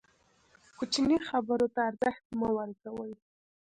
کوچنۍ خبرو ته ارزښت مه ورکوئ!